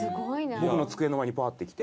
僕の机の前にパって来て。